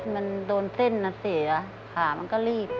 มันโดนเส้นเสียขามันก็รีบ